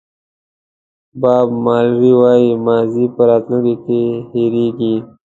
باب مارلې وایي ماضي په راتلونکي کې هېرېږي.